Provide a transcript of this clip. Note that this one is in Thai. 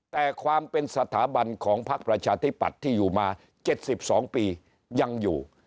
แต่ความเป็นสถาบันของพักประชาธิปัตย์ที่อยู่มา๗๒ปียังอยู่